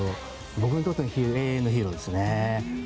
僕にとっての永遠のヒーローですね。